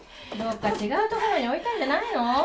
どっか違う所に置いたんじゃないの？